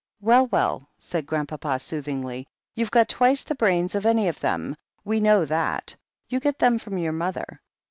"Well, well," said Grandpapa soothingly, "you've got twice the brains of any of them, we know that. You get them from your mother.